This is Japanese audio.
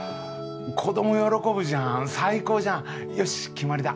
子ども喜ぶじゃん最高じゃんよし決まりだ